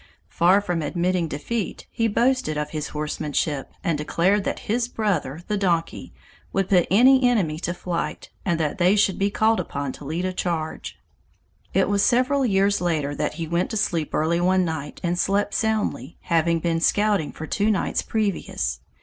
Far from admitting defeat, he boasted of his horsemanship and declared that his "brother" the donkey would put any enemy to flight, and that they should be called upon to lead a charge. It was several years later that he went to sleep early one night and slept soundly, having been scouting for two nights previous.